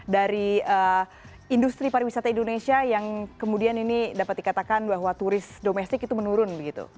dari industri pariwisata indonesia yang kemudian ini dapat dikatakan bahwa turis domestik itu menurun